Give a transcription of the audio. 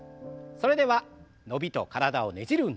それでは伸びと体をねじる運動。